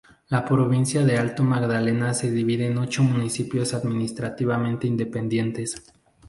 La provincia del Alto Magdalena se divide en ocho municipios administrativamente independientes.